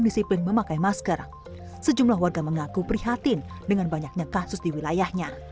disiplin memakai masker sejumlah warga mengaku prihatin dengan banyaknya kasus di wilayahnya